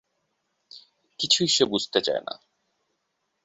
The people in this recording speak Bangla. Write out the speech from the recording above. কিছুই সে বুঝতে চায় না।